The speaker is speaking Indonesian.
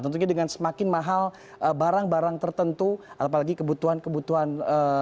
tentunya dengan semakin mahal barang barang tertentu apalagi kebutuhan kebutuhan